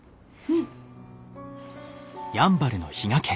うん。